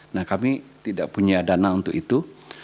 nah kami tidak punya dana untuk itu